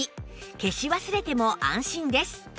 消し忘れても安心です